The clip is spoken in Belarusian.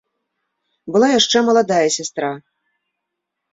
Была яшчэ маладая сястра.